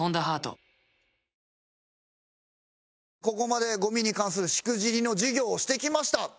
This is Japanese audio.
ここまでゴミに関するしくじりの授業をしてきました。